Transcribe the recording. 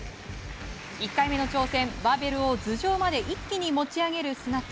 １回目の挑戦バーベルを頭上まで一気に持ち上げる、スナッチ。